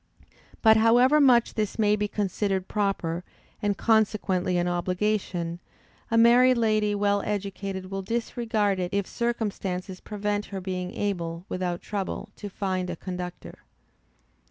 But however much this may be considered proper, and consequently an obligation, a married lady well educated will disregard it if circumstances prevent her being able, without trouble, to find a conductor.